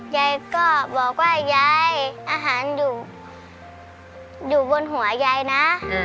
ยายก็บอกว่ายายอาหารอยู่บนหัวยายนะ